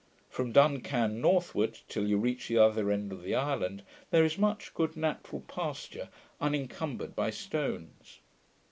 From Dun Can northward, till you reach the other end of the island, there is much good natural pasture unincumbered by stones.